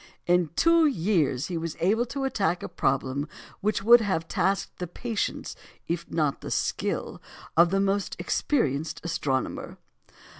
In two years he was able to attack a problem which would have tasked the patience, if not the skill, of the most experienced astronomer.